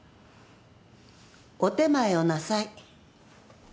・お点前をなさい。